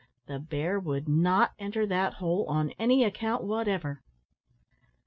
The bear would not enter that hole on any account whatever.